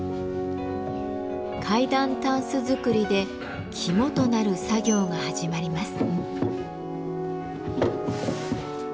階段たんす作りで肝となる作業が始まります。